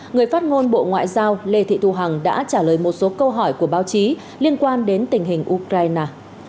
người phát ngôn bộ ngoại giao lê thị thu hằng đã trả lời một số câu hỏi của báo chí liên quan đến tình hình ukraine